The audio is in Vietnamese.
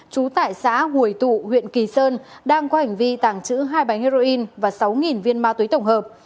chú tải xã hùi tụ huyện kỳ sơn đang có hành vi tàng trữ hai bánh heroin và sáu viên ma túy tổng hợp